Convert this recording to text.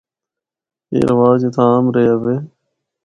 اے رواج اتھا عام رہیا وے۔